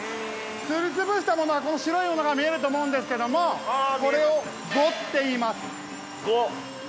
すりつぶしたものは白いものが見えると思うんですけどもこれを「呉」っていいます。